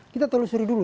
kita telusuri dulu